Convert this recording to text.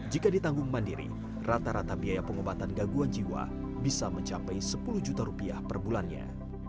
jika ditanggung mandiri rata rata biaya pengobatan gangguan jiwa bisa mencapai sepuluh juta rupiah per bulannya